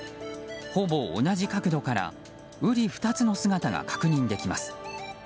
ほぼ同じ角度からうり二つの姿が確認できます。